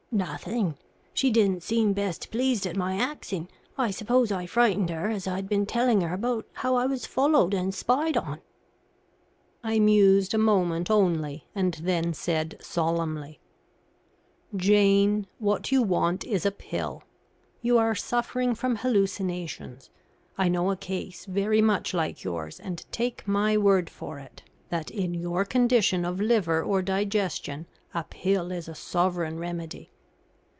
"Nothing. She didn't seem best pleased at my axing. I suppose I frightened her, as I'd been telling her about how I was followed and spied on." I mused a moment only, and then said solemnly "Jane, what you want is a pill. You are suffering from hallucinations. I know a case very much like yours; and take my word for it that, in your condition of liver or digestion, a pill is a sovereign remedy.